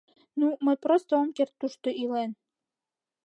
Ну, мый просто ом керт тушто илен.